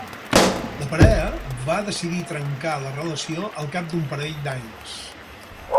La parella va decidir trencar la relació al cap d'un parell d'anys.